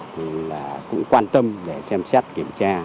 thì là cũng quan tâm để xem xét kiểm tra